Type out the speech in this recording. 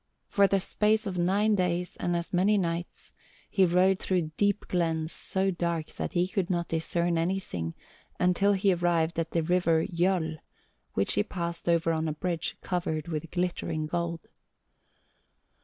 For the space of nine days, and as many nights, he rode through deep glens so dark that he could not discern anything until he arrived at the river Gjoll, which he passed over on a bridge covered with glittering gold.